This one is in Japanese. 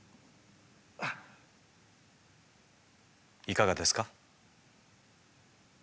いかがですか？